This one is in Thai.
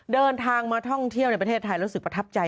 เดินทางมาท่องเที่ยวในประเทศไทยรู้สึกประทับใจ